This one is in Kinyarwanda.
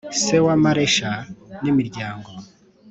se wa Maresha n imiryango